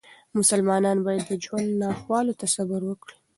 مسلمانان باید د ژوند ناخوالو ته صبر وکړي.